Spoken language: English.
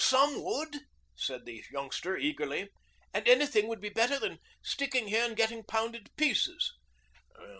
'Some would,' said the youngster eagerly, 'and anything would be better than sticking here and getting pounded to pieces.'